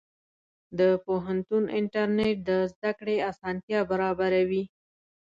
د پوهنتون انټرنېټ د زده کړې اسانتیا برابروي.